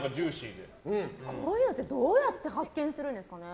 こういうのってどうやって発見するんですかね。